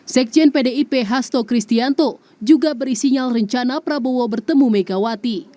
sekjen pdip hasto kristianto juga beri sinyal rencana prabowo bertemu megawati